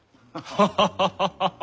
ハハハハハハ！